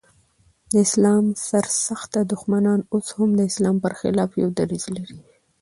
د اسلام سر سخته دښمنان اوس هم د اسلام پر خلاف يو دريځ لري.